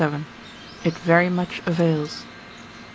it very much avails.